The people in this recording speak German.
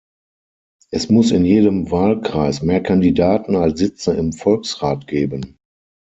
Es muss in jedem Wahlkreis mehr Kandidaten als Sitze im Volksrat geben.